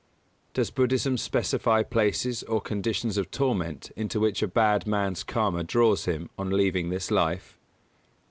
_Does Buddhism specify places or conditions of torment into which a bad man's Karma draws him on leaving this life?